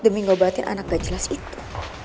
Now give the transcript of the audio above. demi ngobatin anak gak jelas itu